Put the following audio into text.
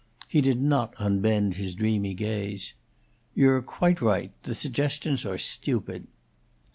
He did not unbend his dreamy gaze. "You're quite right. The suggestions are stupid."